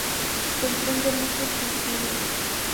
Comprende muchos castillos.